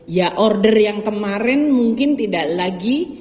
ya order yang kemarin mungkin tidak lagi